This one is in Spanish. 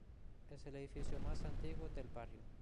Es el edificio más antiguo del barrio.